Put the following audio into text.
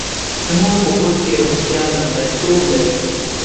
د مور په کور کې روغتیا لومړیتوب لري.